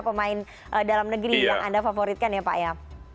pemain dalam negeri yang anda favoritkan ya pak ya